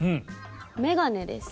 メガネです。